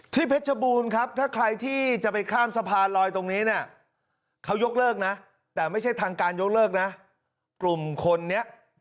ที่เพชรบูรณ์ถ้าใครที่จะไปข้ามสะพานลอยตรงนี้